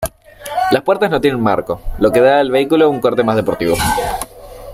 Las puertas no tienen marco, lo que da al vehículo un corte más deportivo.